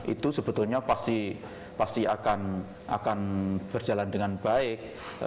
itu sebetulnya pasti akan berjalan dengan baik